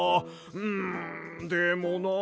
んでもなあ